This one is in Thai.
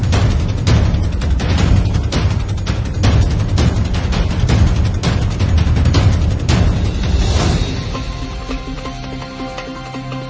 เก่งช้นเก่งช้นซ้ำนะครับ